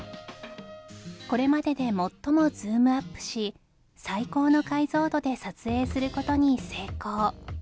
これまでで最もズームアップし最高の解像度で撮影する事に成功